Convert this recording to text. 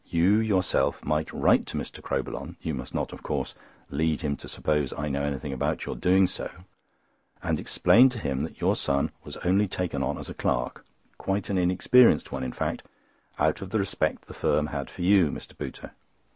You yourself might write to Mr. Crowbillon—you must not, of course, lead him to suppose I know anything about your doing so—and explain to him that your son was only taken on as a clerk—quite an inexperienced one in fact—out of the respect the firm had for you, Mr. Pooter.